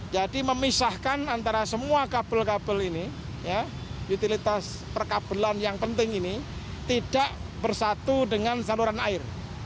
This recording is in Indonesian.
jadi memisahkan antara semua kabel kabel ini ya utilitas perkabelan yang penting ini tidak bersatu dengan saluran air